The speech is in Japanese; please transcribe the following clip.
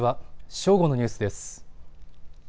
正午のニュースです。